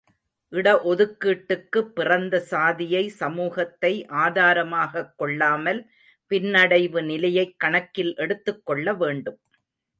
இட ஒதுக்கீட்டுக்கு, பிறந்த சாதியை சமூகத்தை ஆதாரமாகக் கொள்ளாமல் பின்னடைவு நிலையைக் கணக்கில் எடுத்துக்கொள்ள வேண்டும்.